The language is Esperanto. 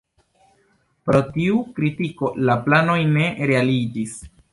Pro tiu kritiko la planoj ne realiĝis.